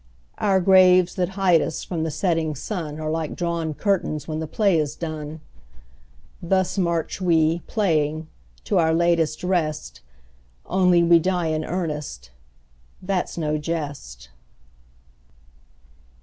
Our graves that hide us from the setting sun Are like drawn curtains when the play is done. Thus march we, playing, to our latest rest, Only we die in earnest, that's no jest.